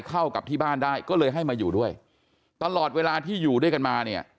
เข้ากับที่บ้านได้ก็เลยให้มาอยู่ด้วยตลอดเวลาที่อยู่ด้วยกันมาเนี่ย